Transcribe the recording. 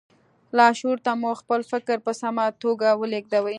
لاشعور ته مو خپل فکر په سمه توګه ولېږدوئ